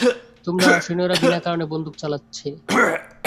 তোমার সৈন্যরা বিনা কারনে বন্দুক চালাচ্ছে।